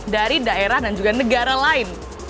dari daerah dan juga negara lain